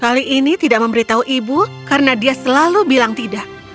kali ini tidak memberitahu ibu karena dia selalu bilang tidak